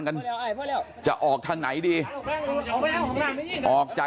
โอ้โหยังไม่หยุดนะครับ